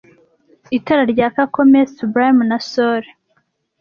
Itara ryaka-comet, sublime na sole